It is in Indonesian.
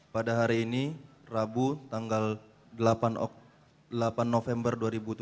pada hari ini rabu tanggal delapan november dua ribu tujuh belas